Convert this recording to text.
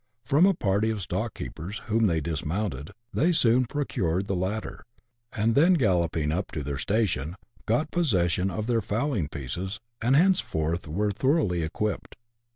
From a party of stock keepers, whom they dismounted, they soon procured the latter ; and then galloping up to their station, got possession of their fowling pieces, and thenceforth were thoroughly equipped.